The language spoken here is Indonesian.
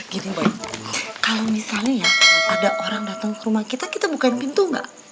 gini boy kalau misalnya ya ada orang datang ke rumah kita kita bukain pintu enggak